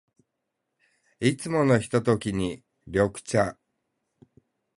いつものひとときに、緑茶。